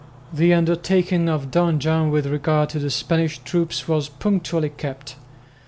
The undertaking of Don John with regard to the Spanish troops was punctually kept.